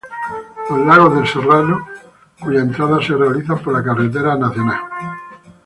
Los Lagos del Serrano cuya entrada se realiza por la Ctra.